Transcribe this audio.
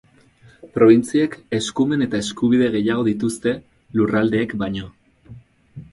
Probintziek eskumen eta eskubide gehiago dituzte lurraldeek baino.